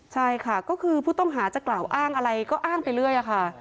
ใช่ค่ะก็คือผู้ต้องหาจะกล่าวอ้างอะไรก็อ้างไปเรื่อยค่ะ